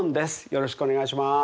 よろしくお願いします。